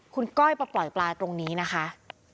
คุณก้อยมาปล่อยปลาตรงนี้นะคะ